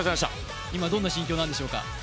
今どんな心境なんでしょうか？